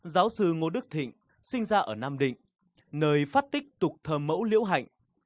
giáo sư ngô đức thịnh sinh ra ở nam định nơi phát tích tục thờ mẫu liễu hạnh